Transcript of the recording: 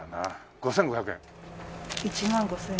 ５５００円！